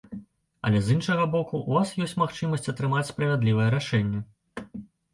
Але з іншага боку, у вас ёсць магчымасць атрымаць справядлівае рашэнне.